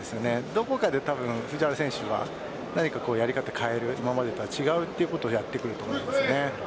どこかで藤原選手は何かやり方を変えて今までと違う形をやってくると思うんです。